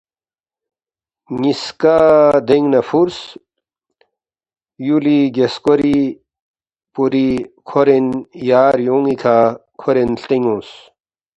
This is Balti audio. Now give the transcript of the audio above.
نِ٘یسکا دینگ نہ فُورس ، یُولی گِسکور پوری کھورین یا ریُون٘ی کھہ کھورین ہلتین اونگس